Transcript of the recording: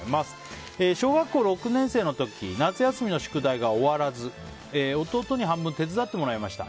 小学校６年生の時夏休みの宿題が終わらず弟に半分手伝ってもらいました。